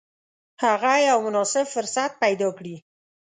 هغه یو مناسب فرصت پیدا کړي.